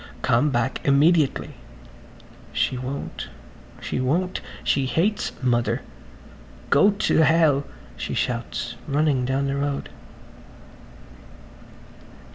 "Come back immediately!" [Page 138] She won't. She won't. She hates Mother. "Go to hell," she shouts, running down the road.